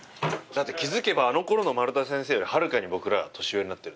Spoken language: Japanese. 気付けばあのころの丸田先生よりはるかに僕ら年上になってる。